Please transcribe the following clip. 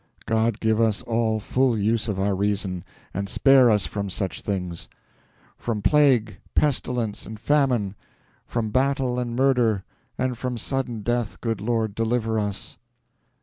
God give us all full use of our reason, and spare us from such things! 'From plague, pestilence, and famine; from battle and murder, and from sudden death, good Lord, deliver us!'